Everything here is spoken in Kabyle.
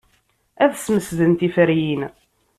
Ad smesden tiferyin.